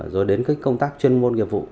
rồi đến công tác chuyên môn nghiệp vụ